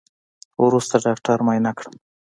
وروسته ډاکتر معاينه کړم.